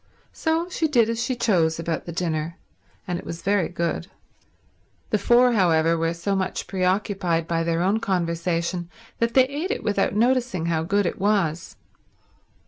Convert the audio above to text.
So she did as she chose about the dinner, and it was very good. The four, however, were so much preoccupied by their own conversation that they ate it without noticing how good it was.